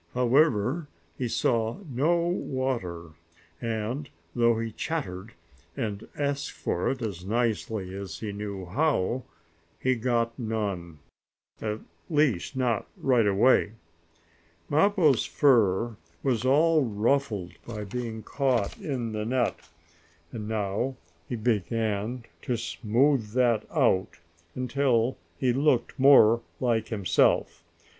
However, he saw no water, and, though he chattered, and asked for it as nicely as he knew how, he got none at least, not right away. Mappo's fur was all ruffled by being caught in the net, and he now began to smooth that out, until he looked more like himself.